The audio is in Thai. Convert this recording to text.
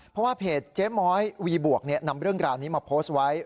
เพราะว่าเพจเจ๊ม้อยวีบวกนำเรื่องราวนี้มาโพสต์ไว้